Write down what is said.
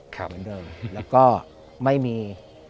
ครับแล้วก็ไม่มี